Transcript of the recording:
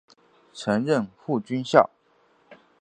曾任护军校。